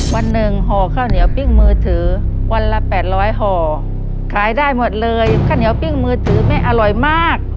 วันหนึ่งห่อข้าวเหนียวปิ้งมือถือวันละแปดร้อยห่อขายได้หมดเลยข้าวเหนียวปิ้งมือถือแม่อร่อยมาก